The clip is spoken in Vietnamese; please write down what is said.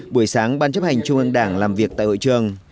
buổi sáng ban chấp hành trung ương đảng làm việc tại hội trường